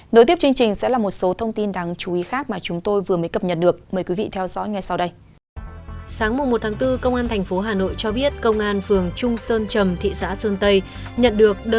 đối tiếp chương trình sẽ là một số thông tin đáng chú ý khác mà chúng tôi vừa mới cập nhật được